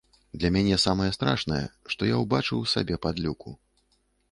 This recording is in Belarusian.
Для мяне самае страшнае, што я ўбачыў у сабе падлюку.